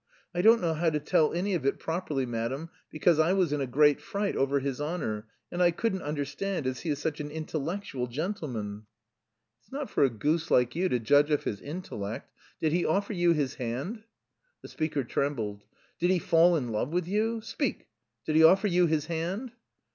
"I don't know how to tell any of it properly, madam, because I was in a great fright over his honour; and I couldn't understand, as he is such an intellectual gentleman." "It's not for a goose like you to judge of his intellect. Did he offer you his hand?" The speaker trembled. "Did he fall in love with you? Speak! Did he offer you his hand?"